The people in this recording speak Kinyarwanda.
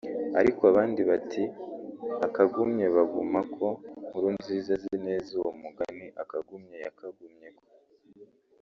ariko abandi bati “Akagumye bagumako” Nkurunziza azi neza uwo mugani akagumye yakagumyeko